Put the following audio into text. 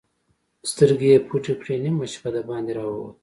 سترګې يې پټې کړې، نيمه شپه د باندې را ووت.